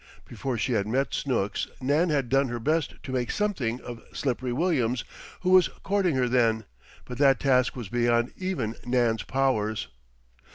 Before she had met Snooks Nan had done her best to "make something" of "Slippery" Williams, who was courting her then, but that task was beyond even Nan's powers.